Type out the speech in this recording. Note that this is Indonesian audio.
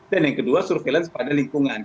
dan yang kedua surveillance pada lingkungan